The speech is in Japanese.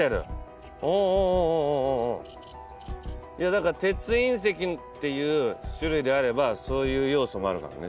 だから鉄隕石っていう種類であればそういう要素もあるからね。